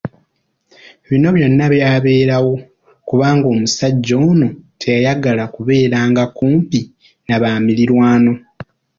Bino byonna byaliwo kubanga omusajja ono teyayagala kubeera nga kumpi n'abamirirwano.